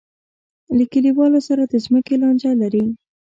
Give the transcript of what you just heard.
له کلیوالو سره د ځمکې لانجه لري.